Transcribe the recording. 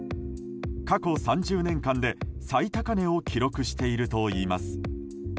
過去３０年間で最高値を記録しているといいます。